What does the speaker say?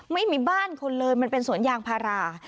ไม่มีบ้านคนเลยมันเป็นสวนยางพารา